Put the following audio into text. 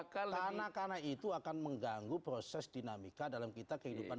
karena itu akan mengganggu proses dinamika dalam kita kehidupan